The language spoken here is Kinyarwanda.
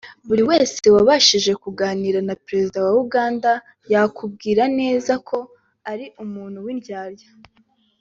Buri wese wabashije kuganira na perezida wa Uganda yakubwira neza ko ari umuntu w’indyarya